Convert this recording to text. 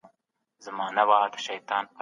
هغه څېړونکی چي ډېر زیار باسي ښې پایلي ترلاسه کوي.